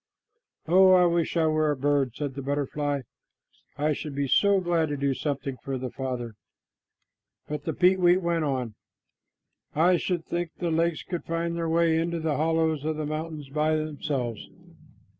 "Oh, I wish I were a bird," said a butterfly. "I should be so glad to do something for the Father." But the peetweet went on, "I should think the lakes could find their way into the hollows of the mountains by themselves."